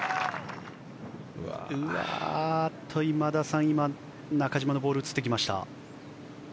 今田さん、今中島のボールが映ってきました。